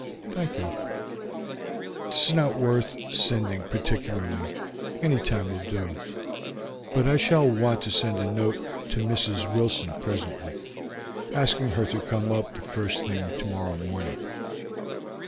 "Thank you; 'tis not worth sending particularly, any time will do, but I shall want to send a note to Mrs. Wilson presently, asking her to come up the first thing tomorrow morning."